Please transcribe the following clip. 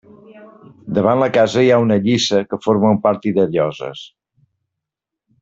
Davant la casa hi ha una lliça que forma un pati de lloses.